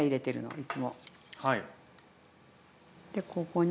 はい。